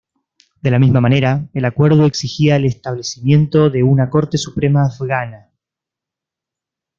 De la misma manera, el acuerdo exigía el establecimiento de una Corte Suprema Afgana.